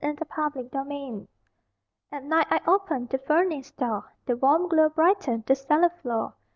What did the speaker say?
THE FURNACE At night I opened The furnace door: The warm glow brightened The cellar floor.